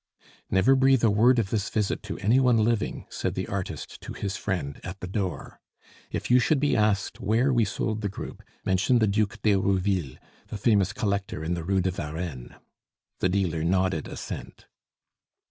"Never breath a word of this visit to any one living," said the artist to his friend, at the door. "If you should be asked where we sold the group, mention the Duc d'Herouville, the famous collector in the Rue de Varenne." The dealer nodded assent.